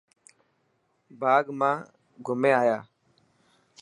باغ مان گھمي آيا؟